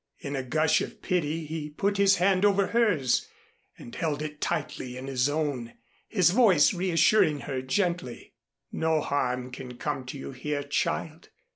In a gush of pity he put his hand over hers and held it tightly in his own, his voice reassuring her gently. "No harm can come to you here, child.